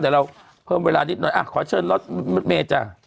แต่เราเพิ่มเวลานิดหน่อยอ่ะขอเชิญล็อตเมจ่ะ